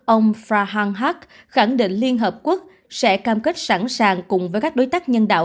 ông frahang hark khẳng định liên hợp quốc sẽ cam kết sẵn sàng cùng với các đối tác nhân đạo